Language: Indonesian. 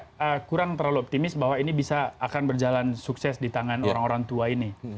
saya kurang terlalu optimis bahwa ini bisa akan berjalan sukses di tangan orang orang tua ini